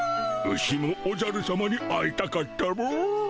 牛もおじゃるさまに会いたかったモ。